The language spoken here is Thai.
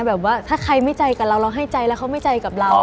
แบบว่าถ้าใครไม่ใจกับเราเราให้ใจแล้วเขาไม่ใจกับเรา